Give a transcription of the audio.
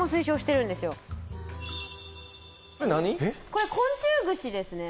これ昆虫串ですね